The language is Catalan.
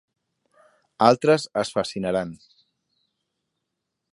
Altres es fascinaran.